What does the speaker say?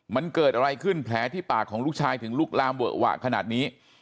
มันเกิดอะไรขึ้นแผลที่ปากของลูกชายถึงลุกลามเวอะหวะขนาดนี้